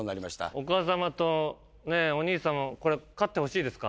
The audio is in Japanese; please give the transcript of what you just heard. お母様とねぇお兄さんもこれ勝ってほしいですか？